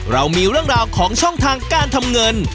เรามีเรื่องราวของช่องทางการทำเงิน